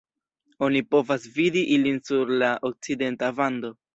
Oni povas vidi ilin sur la okcidenta vando.